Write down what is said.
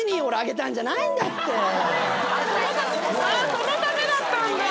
そのためだったんだ。